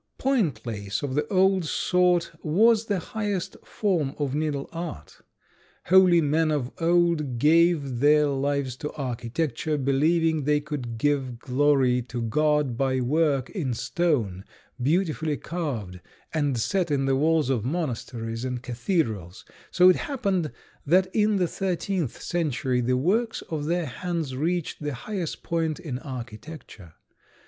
Point lace of the old sort was the highest form of needle art. Holy men of old gave their lives to architecture, believing they could give glory to God by work in stone beautifully carved and set in the walls of monasteries and cathedrals; so it happened that in the thirteenth century the works of their hands reached the highest point in architecture.